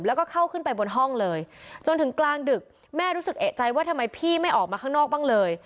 แล้วก็เข้าขึ้นไปบนห้องเลยจนถึงกลางดึกแม่รู้สึกเอกใจว่าทำไมพี่ไม่ออกมาข้างนอกบ้างเลย